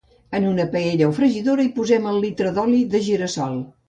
En una paella o fregidora hi posem el litre d’oli de gira-sol.